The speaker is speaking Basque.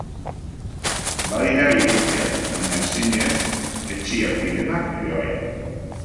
Badira irekiak, baina zinez hetsiak direnak ere bai.